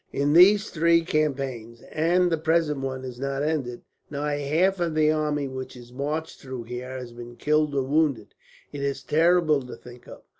In these three campaigns, and the present one is not ended, nigh half of the army which marched through here has been killed or wounded. It is terrible to think of.